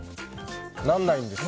ならないんです。